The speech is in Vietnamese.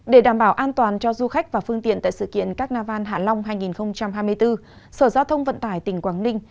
để đảm bảo an toàn cho du khách và phương tiện tại sự kiện carnival hạ long hai nghìn hai mươi bốn sở giao thông vận tải tỉnh quảng ninh